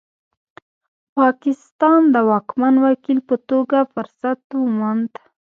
پاکستان د واکمن وکیل په توګه فرصت وموند.